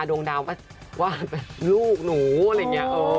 ดวงดาวว่าลูกหนูอะไรอย่างนี้